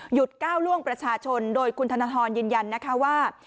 ก้าวล่วงประชาชนโดยคุณธนทรยืนยันนะคะว่า